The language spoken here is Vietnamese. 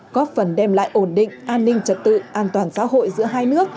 có phần đem lại ổn định an ninh trật tự an toàn xã hội giữa hai nước